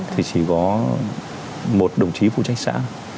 thì chỉ có một đồng chí phụ trách xã